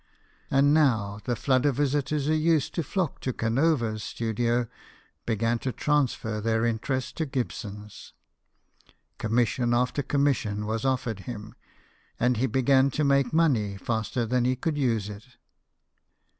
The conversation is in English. " And now the flood of visitors who used to flock to Canova's studio began to transfer their interest to Gibson's. Commission after commission was offered him, and he began to make money faster than he could use it.